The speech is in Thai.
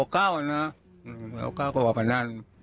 ความเห็นคุณพ่อเห็นด้วยไหมคะ